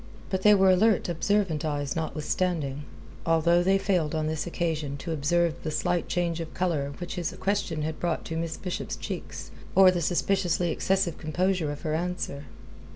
But they were alert, observant eyes notwithstanding, although they failed on this occasion to observe the slight change of colour which his question had brought to Miss Bishop's cheeks or the suspiciously excessive composure of her answer.